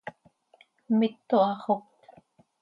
¡Mito haxopt!